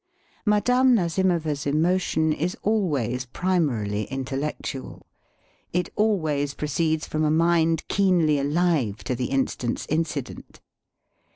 Madame Nazimova's emotion is always primarily intellectual. It always proceeds from a mind keenly alive to the instant's incident.